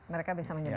mereka bisa menyebarkan